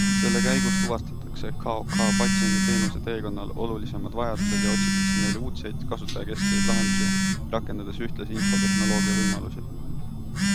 Selle käigus tuvastatakse KOK patsiendi teenuse teekonnal olulisemad vajadused ja otsitakse neile uudseid, kasutajakeskseid lahendusi, rakendades ühtlasi infotehnoloogia võimalusi.